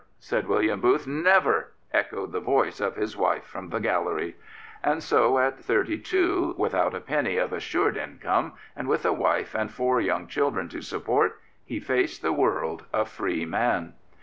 " said William Booth. "Never!" echoed the voice of his wife from the gallery. And so, at thirty two, without a penny of assured income, and with a wife and four young children to support, he faced the world, a free man.